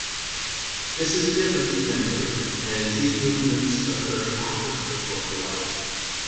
This is different to mimicry, as these movements occur after a short delay.